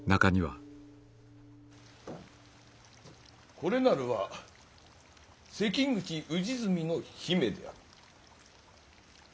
これなるは関口氏純の姫である。